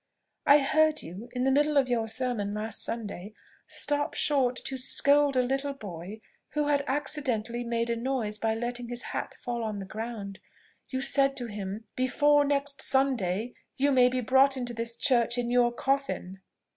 "I heard you, in the middle of your sermon last Sunday, stop short to scold a little boy who had accidentally made a noise by letting his hat fall on the ground. You said to him, 'Before next Sunday you may be brought into this church in your coffin.'